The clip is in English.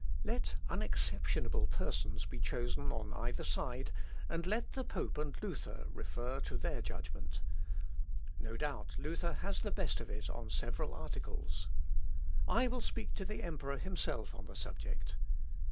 Let unexceptionable persons be chosen on either side, and let the pope and Luther refer to their judgment. No doubt Luther has the best of it on several articles. I will speak to the emperor himself on the subject.